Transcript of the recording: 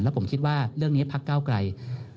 แล้วผมคิดว่าเรื่องนี้พักเก้าไกล